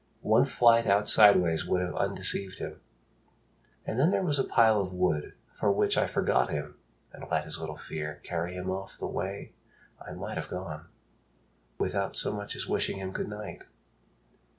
One flight out sideways would have undeceived him. And then there was a pile of wood for which I forgot him and let his little fear Carry him off the way I might have gone, Without so much as wishing him good night.